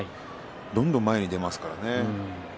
どんどん前に出ますね。